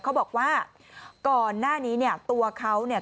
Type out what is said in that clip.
เขาบอกว่าก่อนหน้านี้เนี่ยตัวเขาเนี่ย